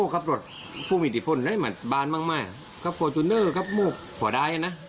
ครับฟอร์จูนเนอร์ครับมูกผัวดายนะ